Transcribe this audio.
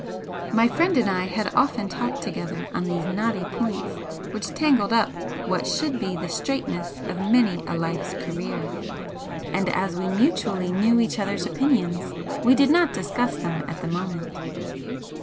My friend and I had often talked together on these knotty points which tangled up what should be the straightness of many a life's career, and as we mutually knew each other's opinions we did not discuss them at the moment.